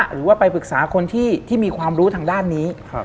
หรือว่าไปปรึกษาคนที่มีความรู้ทางด้านนี้